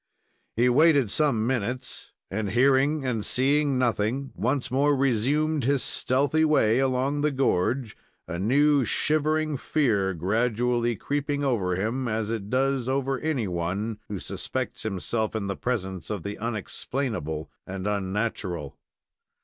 He waited some minutes, and, hearing and seeing nothing, once more resumed his stealthy way along the gorge, a new, shivering fear gradually creeping over him, as it does over anyone who suspects himself in the presence of the unexplainable and unnatural.